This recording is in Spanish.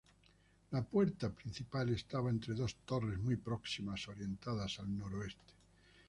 La puerta principal estaba entre dos torres muy próximas, orientadas al noroeste.